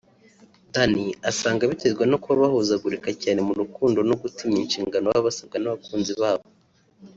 Danny asanga biterwa no kuba bahuzagurika cyane mu rukundo no gutinya inshingano baba basabwa n’abakunzi babo